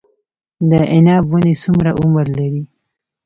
د عناب ونې څومره عمر لري؟